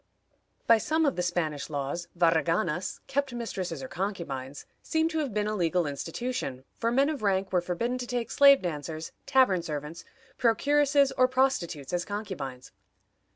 By some of the Spanish laws, varraganas (kept mistresses or concubines) seem to have been a legal institution, for men of rank were forbidden to take slave dancers, tavern servants, procuresses, or prostitutes as concubines.